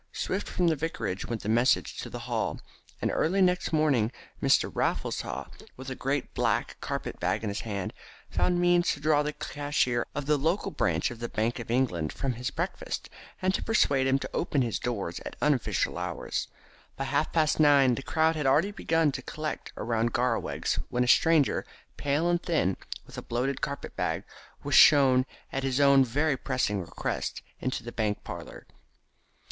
Swift from the Vicarage went the message to the Hall, and early next morning Mr. Raffles Haw, with a great black carpet bag in his hand, found means to draw the cashier of the local branch of the Bank of England from his breakfast, and to persuade him to open his doors at unofficial hours. By half past nine the crowd had already begun to collect around Garraweg's, when a stranger, pale and thin, with a bloated carpet bag, was shown at his own very pressing request into the bank parlour.